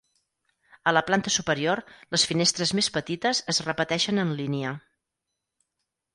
A la planta superior les finestres més petites es repeteixen en línia.